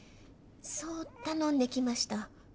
そう頼んできました。